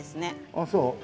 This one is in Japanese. ああそう？